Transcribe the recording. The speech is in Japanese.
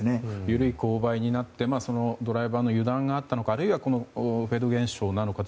緩い勾配になってドライバーの油断があったのかあるいは、フェード現象なのか